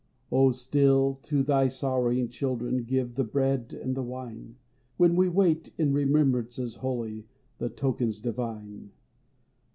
Oh, still, to thy sorrowing children, Give the Bread and the Wine ; When we wait, in remembrances holy, The tokens divine.